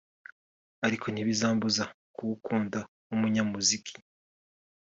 Ariko ntibizambuza kuwukunda nk’umunyamuziki